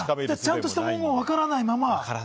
ちゃんとしたのがわからないまま？